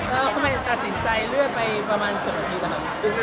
แล้วทำไมตัดสินใจเลื่อนไปประมาณเกิดวันที่กันครับ